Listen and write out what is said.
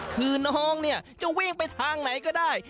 คือน้องเนี่ยจะวิ่งไปทางไหนก็ได้